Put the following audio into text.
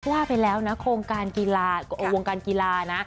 ว่าไปแล้วนะโครงการกีฬาวงการกีฬานะ